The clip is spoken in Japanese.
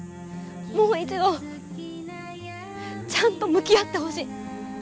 もう一度ちゃんと向き合ってほしい。